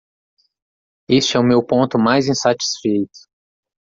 Este é o meu ponto mais insatisfeito.